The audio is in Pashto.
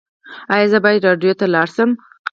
ایا زه باید راډیو ته لاړ شم؟